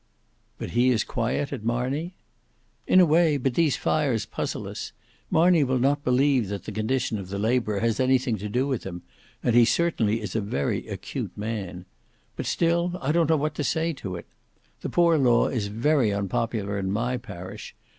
"But he is quiet at Marney?" "In a way; but these fires puzzle us. Marney will not believe that the condition of the labourer has anything to do with them; and he certainly is a very acute man. But still I don't know what to say to it. The poor law is very unpopular in my parish.